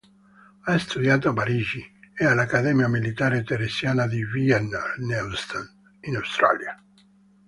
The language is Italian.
Ha studiato a Parigi, e alla Accademia Militare Teresiana di Wiener Neustadt, in Austria.